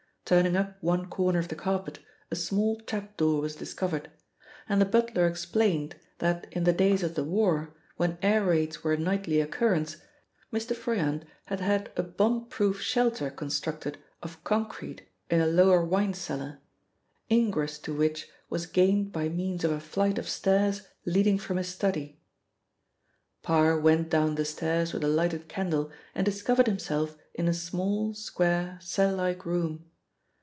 Turning up one corner of the carpet, a small trap door was discovered, and the butler explained that in the days of the war, when air raids were a nightly occurrence, Mr. Froyant had had a bomb proof shelter constructed of concrete in a lower wine cellar, ingress to which was gained by means of a flight of stairs leading from his study. Parr went down the stairs with a lighted candle and discovered himself in a small, square, cell like room.